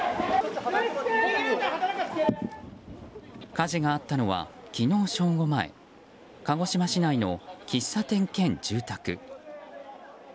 火事があったのは昨日正午前鹿児島市内の喫茶店兼住宅。